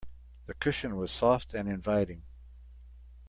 The cushion was soft and inviting.